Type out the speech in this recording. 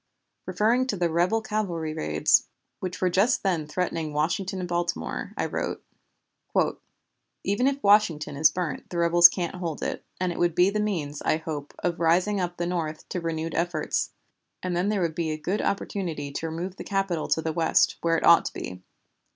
Referring to the rebel cavalry raids which were just then threatening Washington and Baltimore, I wrote: "Even if Washington is burnt the rebels can't hold it, and it would be the means, I hope, of raising up the North to renewed efforts, and then there would be a good opportunity to remove the Capital to the West, where it ought to be.